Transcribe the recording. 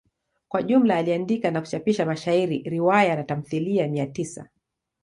Kwa jumla aliandika na kuchapisha mashairi, riwaya na tamthilia mia tisa.